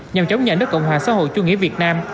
nhằm chống nhận đất cộng hòa xã hội chung nghĩa việt nam